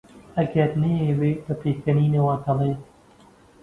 ئەگەر نەیەوێ بە پێکەنینەوە دەڵێ: